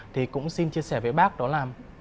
thì cũng xin chia sẻ với bác đó là